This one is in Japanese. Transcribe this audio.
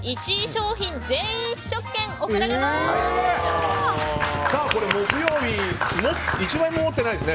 商品全員試食券が贈られます。